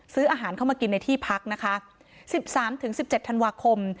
ซื้ออาหารเข้ามากินในที่พักนะคะสิบสามถึงสิบเจ็ดธันวาคม